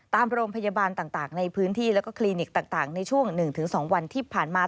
ตามโรงพยาบาลต่างต่างในพื้นที่และก็คลีนิคต่างต่างในช่วงหนึ่งถึงสองวันที่ผ่านมา